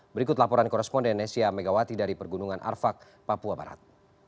berikut laporan koresponden nesya megawati dari pergunungan arfak papua barat